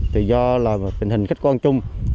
tùy do là tình hình khách quan chung